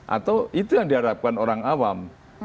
atau itu yang diharapkan orang awam